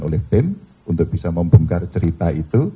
oleh tim untuk bisa membongkar cerita itu